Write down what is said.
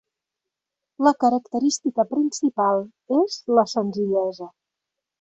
La característica principal és la senzillesa.